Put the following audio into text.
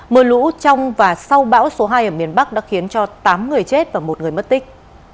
mưa lũ trong và sau bão số hai ở miền bắc đã khiến cho tám người chết và một người mất tích